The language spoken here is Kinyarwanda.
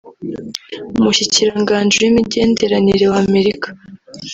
umushikiranganji w'imigenderanire wa Amerika